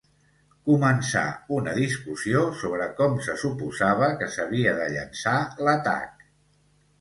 Començà una discussió sobre com se suposava que s'havia de llançar l'atac.